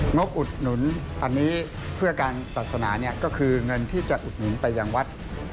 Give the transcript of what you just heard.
บอุดหนุนอันนี้เพื่อการศาสนาก็คือเงินที่จะอุดหนุนไปยังวัด